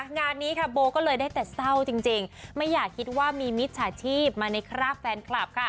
งานนี้ค่ะโบก็เลยได้แต่เศร้าจริงไม่อยากคิดว่ามีมิจฉาชีพมาในคราบแฟนคลับค่ะ